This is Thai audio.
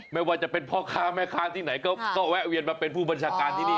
ไม่ว่าจะเป็นพ่อค้าแม่ค้าที่ไหนก็แวะเวียนมาเป็นผู้บัญชาการที่นี่